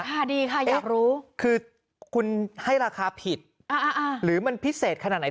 ค่ะดีค่ะอยากรู้คือคุณให้ราคาผิดหรือมันพิเศษขนาดไหน